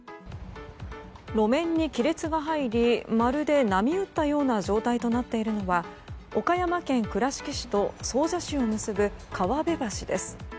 路面に亀裂が入りまるで波打ったような状態となっているのは岡山県倉敷市と総社市を結ぶ川辺橋です。